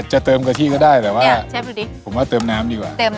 จะเติมกะทิก็ได้แต่ว่าเชฟดูดิผมว่าเติมน้ำดีกว่าเติมน้ำ